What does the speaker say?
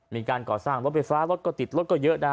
มีการก่อสร้างรถไฟฟ้ารถก็ติดรถก็เยอะนะฮะ